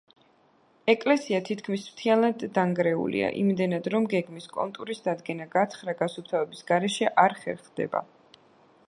ეკლესია თითქმის მთლიანად დანგრეულია, იმდენად, რომ გეგმის კონტურის დადგენა, გათხრა-გასუფთავების გარეშე, არ ხერხდება.